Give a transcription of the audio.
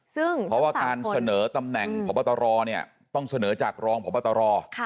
ซึ่งเพราะว่าการเสนอตำแหน่งพบตรต้องเสนอจากรองพบตร